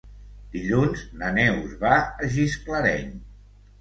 Dilluns na Neus va a Gisclareny.